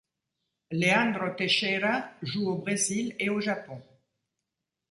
Leandro Teixeira joue au Brésil et au Japon.